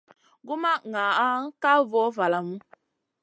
Gu ma ŋahn ka voh valamu.